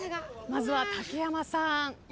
まずは竹山さん。